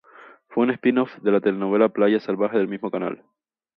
Fue un "spin off" de la telenovela "Playa salvaje", del mismo canal.